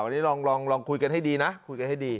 นี่ลองคุยกันให้ดีนะคุยกันให้ดี